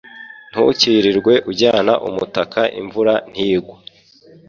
Ntukirirwe ujyana umutaka imvura ntigwa.